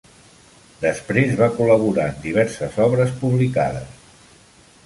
Després va col·laborar en diverses d'obres publicades.